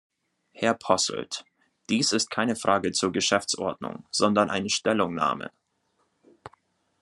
Herr Posselt, dies ist keine Frage zur Geschäftsordnung, sondern eine Stellungnahme.